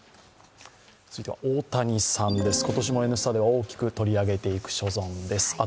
続いては、大谷さんです、今年も「Ｎスタ」では大きく取り上げていく所存です。